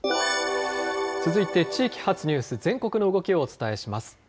続いて地域発ニュース、全国の動きをお伝えします。